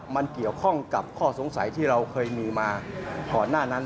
มันเกี่ยวข้องกับข้อสงสัยที่เราเคยมีมาก่อนหน้านั้น